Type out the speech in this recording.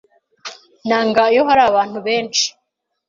Nanga iyo hari abantu benshi.